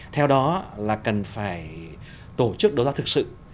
theo đó là cần phải tổ chức đấu giá thực sự